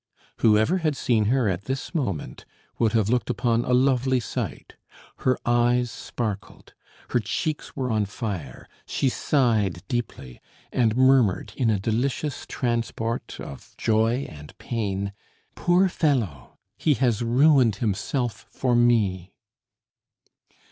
Whoever had seen her at this moment would have looked upon a lovely sight; her eyes sparkled, her cheeks were on fire; she sighed deeply, and murmured in a delicious transport of joy and pain: "Poor fellow! He has ruined himself for me!"